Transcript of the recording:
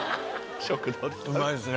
うまいですね。